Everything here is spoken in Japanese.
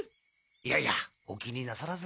いやいやお気になさらずに。